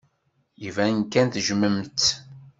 Iban kan tejjmemt-t.